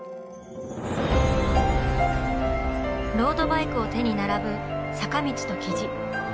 ロードバイクを手に並ぶ坂道と雉。